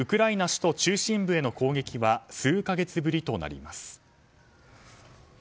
首都中心部への攻撃は数か月ぶりとなります。